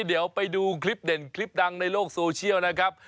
เดี๋ยวไปดูคลิปเด่นคลิปดังในโลกโซเชียลนะครับ